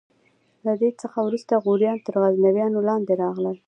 له دې څخه وروسته غوریان تر غزنویانو لاندې راغلل.